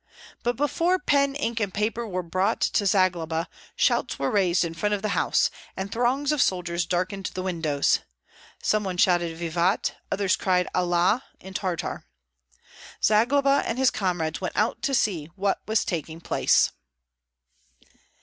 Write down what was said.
But before pen, ink, and paper were brought to Zagloba, shouts were raised in front of the house, and throngs of soldiers darkened the windows. Some shouted "Vivat!" others cried, "Allah," in Tartar. Zagloba and his comrades went out to see what was taking place.